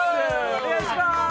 お願いします。